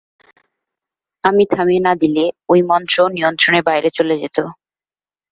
আমি থামিয়ে না দিলে ঐ মন্ত্র নিয়ন্ত্রণের বাইরে চলে যেত।